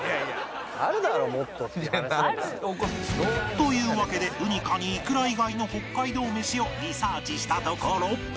というわけでウニ・カニ・いくら以外の北海道メシをリサーチしたところ